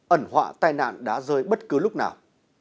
ẩn họa tai nạn đã rơi bất cứ lúc nào